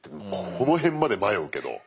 この辺まで迷うけど。